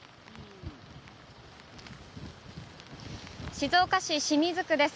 静岡市清水区です。